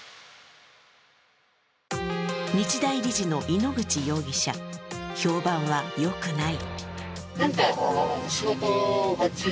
日大理事の井ノ口容疑者、評判はよくない。